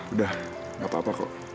udah gak apa apa kok